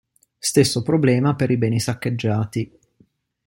Stesso problema per i beni saccheggiati.